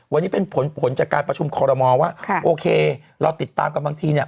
วันนี้เป็นผลผลจากการประชุมคอรมอลว่าโอเคเราติดตามกันบางทีเนี่ย